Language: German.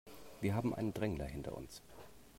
Wir haben einen Drängler hinter uns.